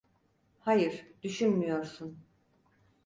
Hayır, düşünmüyorsun.